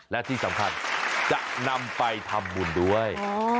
และที่สำคัญจะนำไปทำบุญด้วย